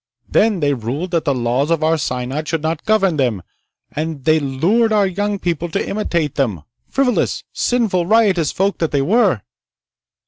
Then they ruled that the laws of our Synod should not govern them. And they lured our young people to imitate them—frivolous, sinful, riotous folk that they were!"